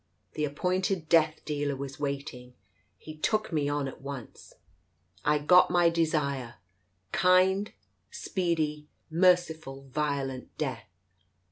The appointed death^dealer was waiting — he took me on at once. I got my desire— kind, speedy, merciful, violent death.